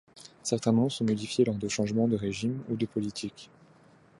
Certains noms sont modifiés lors de changement de régime ou de politique.